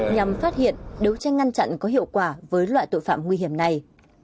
nhằm phát hiện đấu tranh ngăn chặn có hiệu quả với loại tội phạm nguy hiểm này